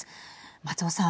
松尾さん。